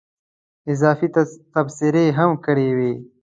اضافي تبصرې هم کړې وې.